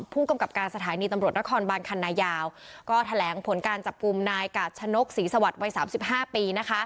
ผู้กำกับการสถานีตำรวจนครบานคันนายาวก็แถลงผลการจับกลุ่มนายกาชนกศรีสวัสดิ์วัย๓๕ปี